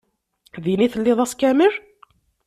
Din i telliḍ ass kamel?